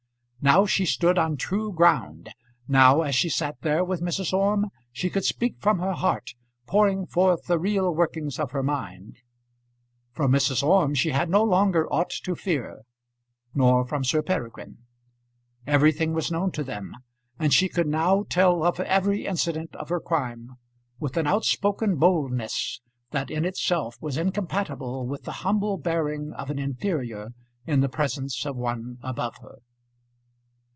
Now she stood on true ground; now, as she sat there with Mrs. Orme, she could speak from her heart, pouring forth the real workings of her mind. From Mrs. Orme she had no longer aught to fear; nor from Sir Peregrine. Everything was known to them, and she could now tell of every incident of her crime with an outspoken boldness that in itself was incompatible with the humble bearing of an inferior in the presence of one above her.